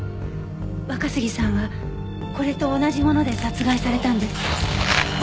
若杉さんはこれと同じもので殺害されたんです。